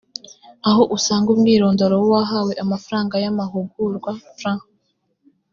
aho usanga umwirondoro w abahawe amafaranga y amahugurwa frw